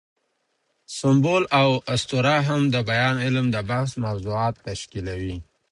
سمبول او اسطوره هم د بیان علم د بحث موضوعات تشکیلوي.